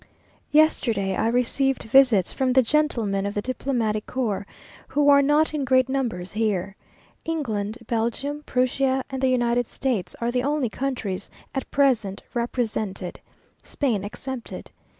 Yesterday I received visits from the gentlemen of the diplomatic corps, who are not in great numbers here. England, Belgium, Prussia, and the United States, are the only countries at present represented, Spain excepted.